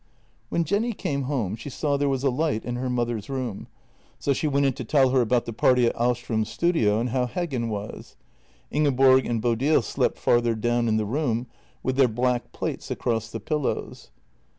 When Jenny came home she saw there was a light in her mother's room, so she went in to tell her about the party at Ahlstrom's studio, and how Heggen was. Ingeborg and Bodil slept farther down in the room, with their black plaits across the pillows.